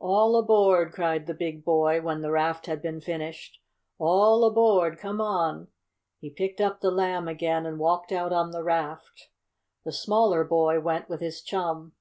"All aboard!" cried the big boy, when the raft had been finished. "All aboard! Come on!" He picked up the Lamb again, and walked out on the raft. The smaller boy went with his chum.